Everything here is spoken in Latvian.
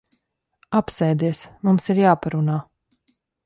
Apsēdies. Mums ir jāparunā.